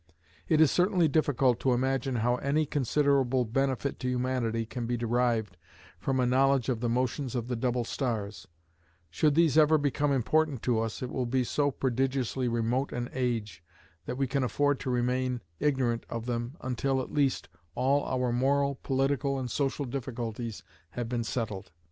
It is certainly difficult to imagine how any considerable benefit to humanity can be derived from a knowledge of the motions of the double stars: should these ever become important to us it will be in so prodigiously remote an age, that we can afford to remain ignorant of them until, at least, all our moral, political, and social difficulties have been settled.